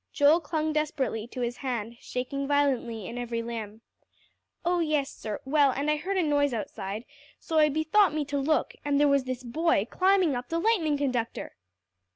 Joel clung desperately to his hand, shaking violently in every limb. "Oh, yes, sir well, and I heard a noise outside, so I bethought me to look, and there was this boy climbing up the lightning conductor."